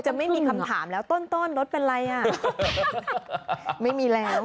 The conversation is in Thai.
จะไม่มีคำถามแล้วต้นรถเป็นอะไรไม่มีแล้ว